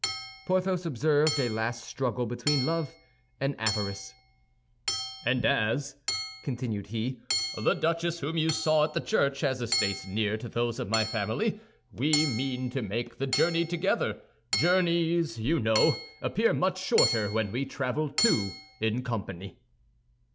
Porthos observed a last struggle between love and avarice. "And as," continued he, "the duchess whom you saw at the church has estates near to those of my family, we mean to make the journey together. Journeys, you know, appear much shorter when we travel two in company."